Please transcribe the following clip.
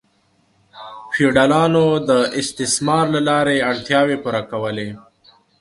فیوډالانو د استثمار له لارې اړتیاوې پوره کولې.